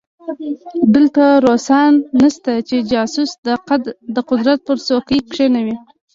دلته روسان نشته چې جاسوس د قدرت پر څوکۍ کېنوي.